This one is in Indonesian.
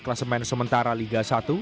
kelas main sementara liga satu